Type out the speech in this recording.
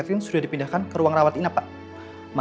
permisi pak dino